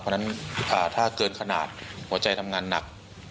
เพราะฉะนั้นถ้าเกินขนาดหัวใจทำงานหนัก